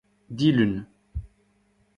dilun